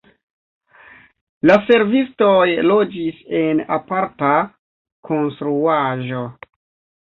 La servistoj loĝis en aparta konstruaĵo.